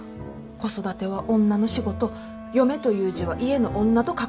「子育ては女の仕事」「嫁という字は家の女と書く」って。